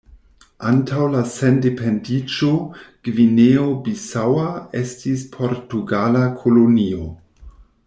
Antaŭ la sendependiĝo Gvineo-Bisaŭa estis portugala kolonio.